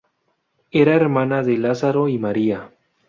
Era hermana de Lázaro y María.